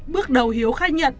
bước đầu hiếu khai nhận